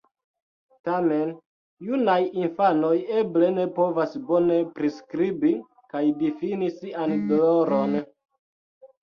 Tamen, junaj infanoj eble ne povas bone priskribi kaj difini sian doloron.